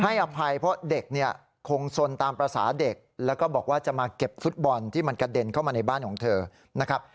อภัยเพราะเด็กเนี่ยคงสนตามภาษาเด็กแล้วก็บอกว่าจะมาเก็บฟุตบอลที่มันกระเด็นเข้ามาในบ้านของเธอนะครับ